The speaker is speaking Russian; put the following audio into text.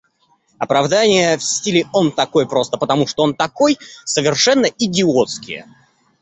Оправдания в стиле «Он такой, просто потому что он такой» совершенно идиотские.